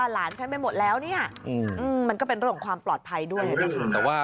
หลานฉันไปหมดแล้วเนี่ยมันก็เป็นเรื่องของความปลอดภัยด้วยนะคะ